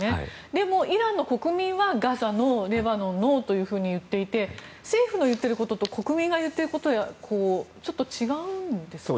でも、イランの国民はガザはノー、レバノンはノーと言っていて政府と国民が言っていることがちょっと違うんですか。